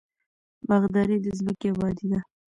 باغداري د ځمکې ابادي ده.